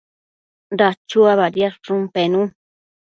Dachua badiadshun pennu